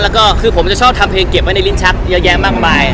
แล้วก็คือผมจะชอบทำเพลงเก็บไว้ในลิ้นชักเยอะแยะมากมาย